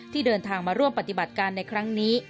เดินทางมาร่วมปฏิบัติการในครั้งนี้